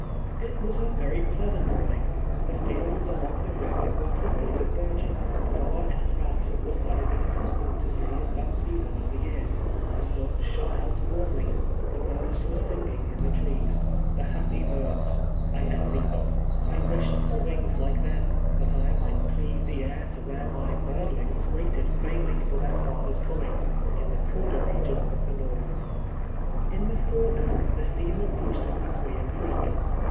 It was a very pleasant morning. Tlie fields along the river were covered with verdure, far in advance of Avhat I had been accnistomed to see at that seasoji of the year. The sun shone out warmly ; the birds were si]iging in the trees. The happy birds — I en vied them. I wished for wings like them, that I might cleave the air t(^ where my birdlings waited c* 58 TWELVE YEAK3 A SLAVE. vainly for their father's coming, in the cooler region of the Xorth. In the forenoon the steamer reached Aqiiia Creek.